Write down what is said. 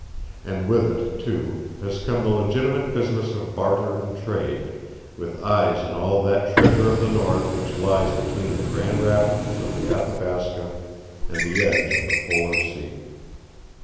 And with it, too, has come the legitimate business of barter and trade, with eyes on all that treasure of the North which lies between the Grand Rapids of the Athabasca and the edge of the polar sea.